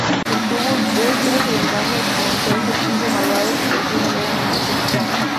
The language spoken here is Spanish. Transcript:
Él tuvo su venganza al pronunciar un hechizo malvado que causó una gran inundación.